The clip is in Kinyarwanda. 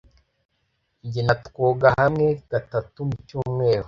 Jye na twoga hamwe gatatu mu cyumweru.